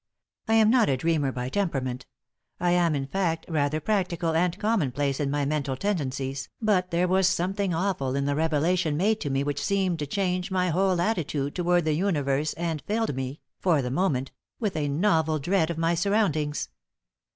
I am not a dreamer by temperament; I am, in fact, rather practical and commonplace in my mental tendencies, but there was something awful in the revelation made to me which seemed to change my whole attitude toward the universe and filled me, for the moment, with a novel dread of my surroundings.